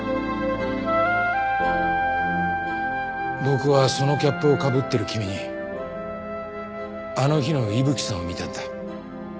僕はそのキャップをかぶってる君にあの日の伊吹さんを見たんだ。